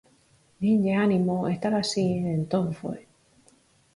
Dinlle ánimo e tal así, e entón foi.